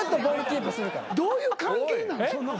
どういう関係なん？